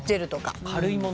軽いもの？